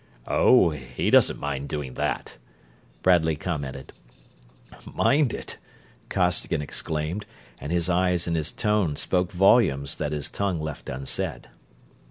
"Oh, he doesn't mind doing that," Bradley commented. "Mind it!" Costigan exclaimed, and his eyes and his tone spoke volumes that his tongue left unsaid.